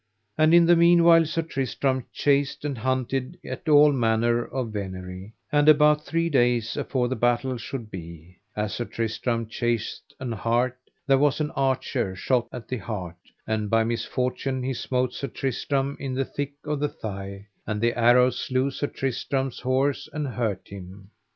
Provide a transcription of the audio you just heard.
And in the meanwhile Sir Tristram chased and hunted at all manner of venery; and about three days afore the battle should be, as Sir Tristram chased an hart, there was an archer shot at the hart, and by misfortune he smote Sir Tristram in the thick of the thigh, and the arrow slew Sir Tristram's horse and hurt him.